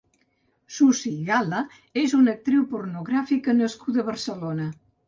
Susy Gala és una actriu pornogràfica nascuda a Barcelona.